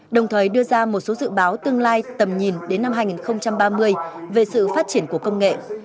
đồng thời đưa ra một số dự báo tương lai tầm nhìn đến năm hai nghìn ba mươi về sự phát triển của công nghệ